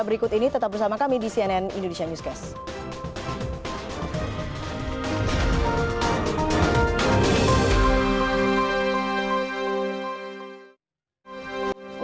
berikut ini tetap bersama kami di cnn indonesia newscast